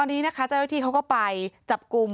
ตอนนี้นะคะเจ้าหน้าที่เขาก็ไปจับกลุ่ม